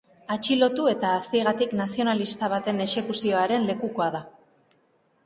Atxilotu eta ziegatik nazionalista baten exekuzioaren lekukoa da.